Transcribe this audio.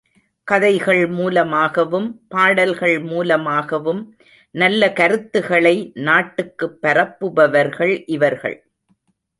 கதைகள் மூலமாகவும், பாடல்கள் மூலமாகவும் நல்ல கருத்துகளை நாட்டுக்குப் பரப்புபவர்கள் இவர்கள்.